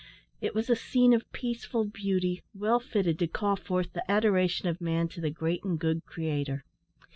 It was a scene of peaceful beauty, well fitted to call forth the adoration of man to the great and good Creator.